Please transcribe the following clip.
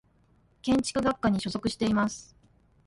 建築学科に所属しています。